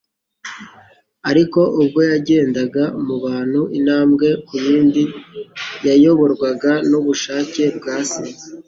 Ariko ubwo yagendaga mu bantu, intambwe ku yindi, yayoborwaga n’ubushake bwa Se